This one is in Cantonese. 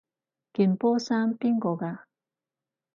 件波衫邊個㗎？